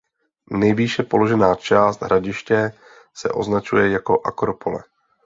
Nejvýše položená část hradiště se označuje jako akropole.